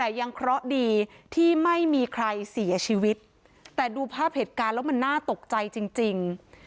แต่ยังเคราะห์ดีที่ไม่มีใครเสียชีวิตแต่ดูภาพเหตุการณ์แล้วมันน่าตกใจจริงจริง